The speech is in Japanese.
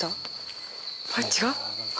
あれ違う？